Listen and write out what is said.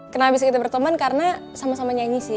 kenapa bisa kita berteman karena sama sama nyanyi sih